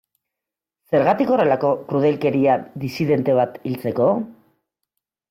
Zergatik horrelako krudelkeria disidente bat hiltzeko?